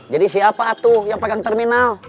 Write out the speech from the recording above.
jadi siapa tuh yang pegang terminal